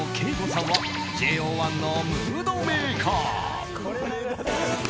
瑚さんはＪＯ１のムードメーカー。